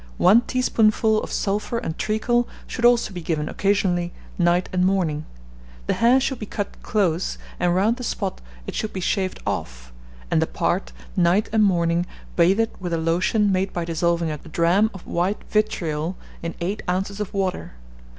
One teaspoonful of sulphur and treacle should also be given occasionally night and morning. The hair should be cut close, and round the spot it should be shaved off, and the part, night and morning, bathed with a lotion made by dissolving a drachm of white vitriol in 8 oz. of water.